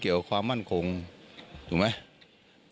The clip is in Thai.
เกี่ยวกับความมั่นคงถูกไหม